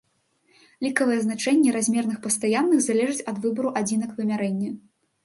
Лікавыя значэнні размерных пастаянных залежаць ад выбару адзінак вымярэння.